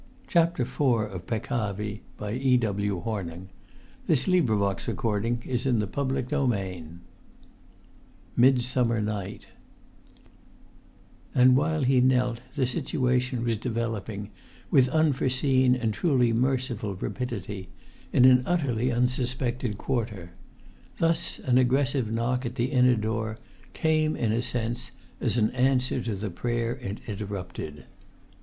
ve mercy on me," he prayed, "for I neither deserve nor desire any mercy from man!" [Pg 29] IV MIDSUMMER NIGHT And while he knelt the situation was developing, with unforeseen and truly merciful rapidity, in an utterly unsuspected quarter; thus an aggressive knock at the inner door came in a sense as an answer to the prayer it interrupted.